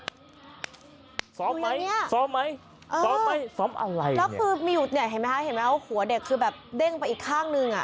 ดูอย่างนี้เออแล้วคือมีอยู่นี่เห็นไหมคะหัวเด็กคือแบบเด้งไปอีกข้างนึง